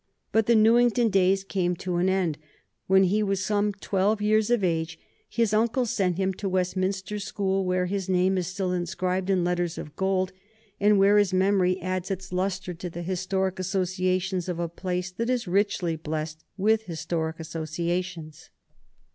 But the Newington days came to an end. When he was some twelve years of age, his uncle sent him to Westminster School, where his name is still inscribed in letters of gold, and where his memory adds its lustre to the historic associations of a place that is richly blessed with historic associations.